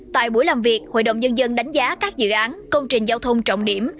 tại buổi làm việc hội đồng nhân dân đánh giá các dự án công trình giao thông trọng điểm